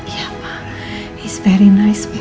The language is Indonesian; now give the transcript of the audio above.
iya pak dia sangat baik pak